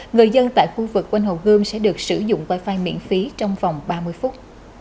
người dân tại khu vực quanh hồ gươm sẽ được sử dụng wifi miễn phí trong vòng ba mươi phút